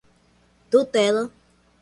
tutela